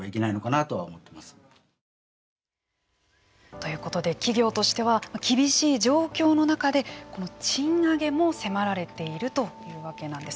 ということで企業としては厳しい状況の中で賃上げも迫られているというわけなんです。